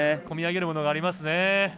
込み上げるものがありますね。